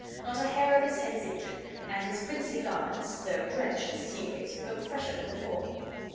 Not a hair of his head is injured, and his princely garments, though drenched in the sea waves, look fresher than before."